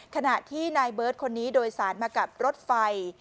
ขณะที่นายเบิร์ตคนนี้โดยสารมากับรถไฟ